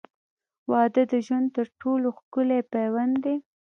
• واده د ژوند تر ټولو ښکلی پیوند دی.